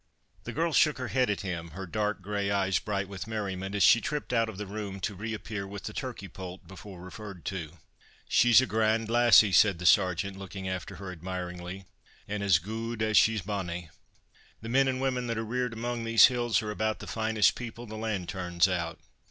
The girl shook her head at him, her dark, grey eyes bright with merriment, as she tripped out of the room, to reappear with the turkey poult before referred to. "She's a grand lassie!" said the Sergeant, looking after her admiringly, "and as guid as she's bonnie. The men and women that are reared among these hills are about the finest people the land turns out!